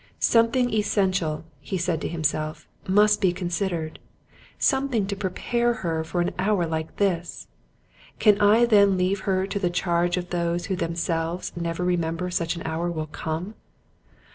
"Something essential," said he to himself, "must be considered—something to prepare her for an hour like this. Can I then leave her to the charge of those who themselves never remember such an hour will come?